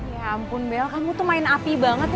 ya ampun bella kamu tuh main api banget ya